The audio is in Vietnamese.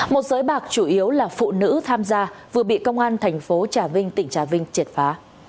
một giới bạc chủ yếu là phụ nữ tham gia vừa bị công an thành phố trà vinh tỉnh trà vinh triệt phá